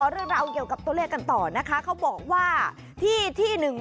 เพราะเรียกรัมต้นเลขกันต่อนะคะเขาบอกว่าที่นึง